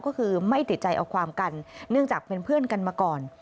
ก็คือไม่ติดใจเอาความกันเนื่องจากเป็นเพื่อนกันมาก่อน